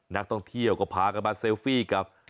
นักท่องเที่ยวก็พากันมาเซลฟี่กับ